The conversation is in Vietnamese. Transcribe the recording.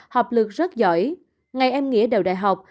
học lực rất giỏi ngày em nghĩa đều đại học